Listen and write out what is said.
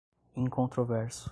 incontroverso